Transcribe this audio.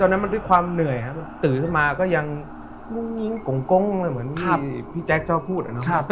ตอนนั้นมันด้วยความเหนื่อยตื่นมาก็ยังโกงเหมือนที่พี่แจ๊คชอบพูด